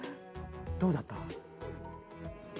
どうだった？